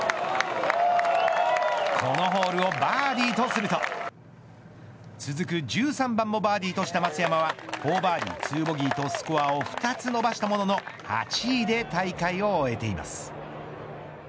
このホールをバーディーとすると続く１３番もバーディーとした松山は４バーディー２ボギーとスコアを２つ伸ばしたものの８位で大会を終えています。